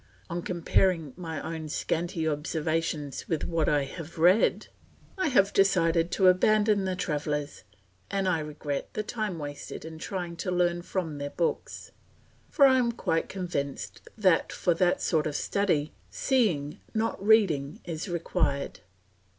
On comparing my own scanty observations with what I have read, I have decided to abandon the travellers and I regret the time wasted in trying to learn from their books; for I am quite convinced that for that sort of study, seeing not reading is required.